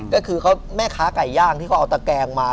ก็คือแม่ค้าไก่ย่างที่เขาเอาตะแกงมา